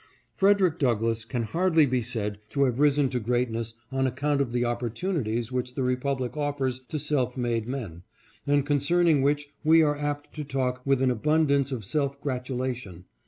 Freder ick Douglass can hardly be said to have risen to greatness on account of the opportunities which the republic offers to self made men, and concerning which we are apt to talk with an abundance of self gratu lation.